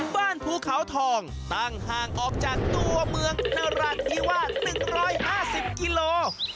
ภูเขาทองตั้งห่างออกจากตัวเมืองนราธิวาส๑๕๐กิโล